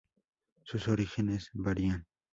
Sus orígenes varían.